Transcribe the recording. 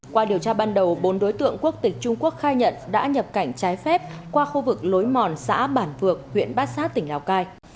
qua điều tra ban đầu bốn đối tượng quốc tịch trung quốc khai nhận đã nhập cảnh trái phép qua khu vực lối mòn xã bản vược huyện bát sát tỉnh lào cai